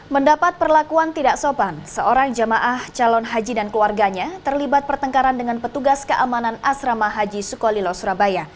mendapat perlakuan tidak sopan seorang jamaah calon haji dan keluarganya terlibat pertengkaran dengan petugas keamanan asrama haji sukolilo surabaya